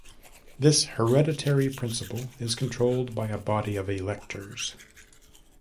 This hereditary principle is controlled by a body of electors.